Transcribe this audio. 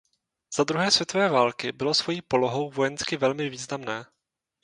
Za druhé světové války bylo svojí polohou vojensky velmi významné.